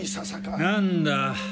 何だ？